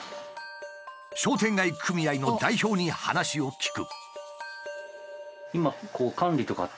商店街組合の代表に話を聞く。